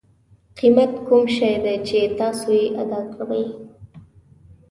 قیمت کوم شی دی چې تاسو یې ادا کوئ.